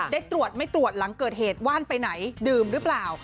ได้ตรวจไม่ตรวจหลังเกิดเหตุว่านไปไหนดื่มหรือเปล่า